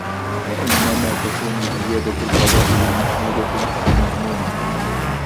وَإِنَّمَا تَكُونُ زِيَادَةُ الْفَضَائِلِ الْمَحْمُودَةِ نَقْصًا مَذْمُومًا